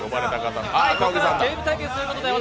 ここからはゲーム対決ということで私